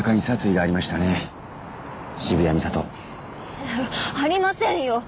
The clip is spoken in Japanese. いやありませんよ。